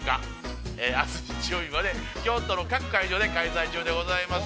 あす日曜日まで、京都の各会場で開催中です。